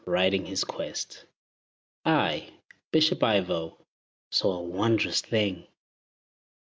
riding his quest, I, Bishop Ivo, saw a wondrous thing.